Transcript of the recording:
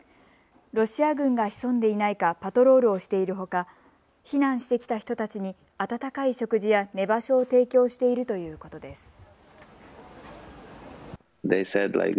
ロシア軍が潜んでいないかパトロールをしているほか避難してきた人たちに温かい食事や寝場所を提供しているということです。